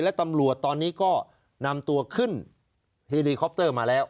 และตำรวจตอนนี้ก็นำตัวขึ้นเฮลีคอปเตอร์มาแล้ว